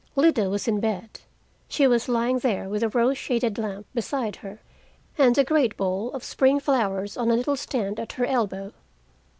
Lida was in bed. She was lying there with a rose shaded lamp beside her, and a great bowl of spring flowers on a little stand at her elbow.